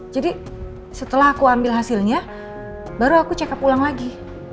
jadi setelah aku ambil hasilnya baru aku check up pulang lagi